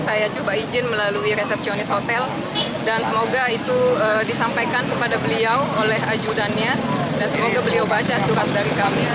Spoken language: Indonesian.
saya ingin memberikan kepada beliau oleh ajudannya dan semoga beliau baca surat dari kami